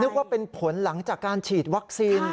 ว่าเป็นผลหลังจากการฉีดวัคซีน